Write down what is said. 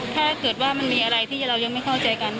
ถ้าเกิดว่ามันมีอะไรที่เรายังไม่เข้าใจกัน